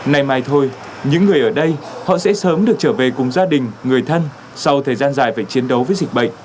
nay mai thôi những người ở đây họ sẽ sớm được trở về cùng gia đình người thân sau thời gian dài phải chiến đấu với dịch bệnh